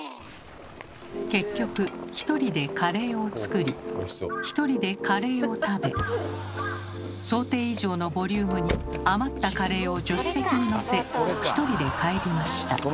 結局１人でカレーを作り１人でカレーを食べ想定以上のボリュームに余ったカレーを助手席にのせ１人で帰りました。